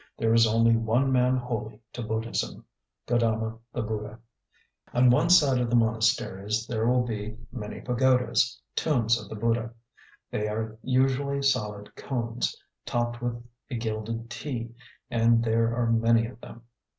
There is only one man holy to Buddhism Gaudama the Buddha. On one side of the monasteries there will be many pagodas, tombs of the Buddha. They are usually solid cones, topped with a gilded 'tee,' and there are many of them.